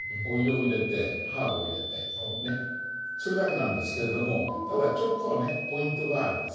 それだけなんですけれどもただちょっとねポイントがあるんです。